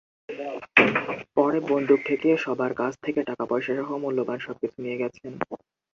পরে বন্দুক ঠেকিয়ে সবার কাছ থেকে টাকাপয়সাসহ মূল্যবান সবকিছু নিয়ে গেছেন।